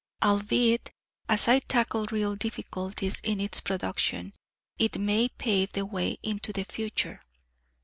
Albeit, as I tackled real difficulties in its production, it may pave the way into the future.